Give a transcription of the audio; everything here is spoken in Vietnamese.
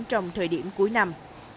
trong thời điểm cuối năm